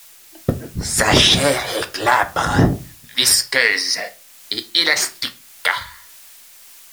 Sa chair est glabre, visqueuse et élastique.